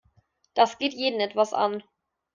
Das geht jeden etwas an.